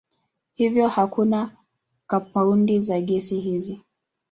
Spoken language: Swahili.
Hivyo hakuna kampaundi za gesi hizi.